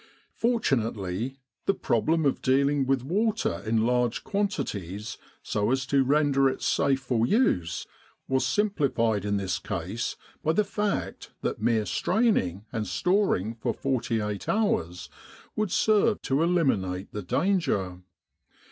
Fortunately the problem of dealing with water in large quantities so as to render it safe for use was simplified in this case by the fact that mere straining, and storing for 48 hours, would serve to eliminate the danger.